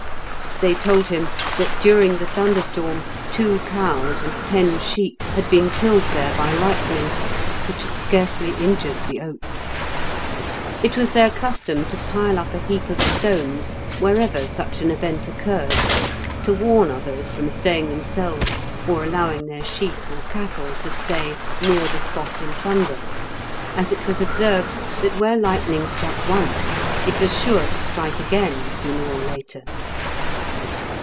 They told him that during the thunderstorm two cows and ten sheep had been killed there by lightning, which had scarcely injured the oak. It was their custom to pile up a heap of stones wherever such an event occurred, to warn others from staying themselves, or allowing their sheep or cattle to stay, near the spot in thunder, as it was observed that where lightning struck once it was sure to strike again, sooner or later.